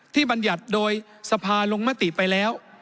บรรยัติโดยสภาลงมติไปแล้ว